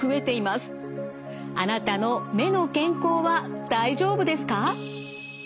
あなたの目の健康は大丈夫ですか？